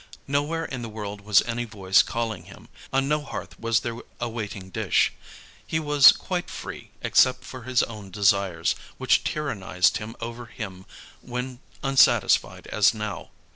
Nowhere in the world was any voice calling him; on no hearth was there a waiting dish. He was quite free except for his own desires, which tyrannized over him when unsatisfied as now.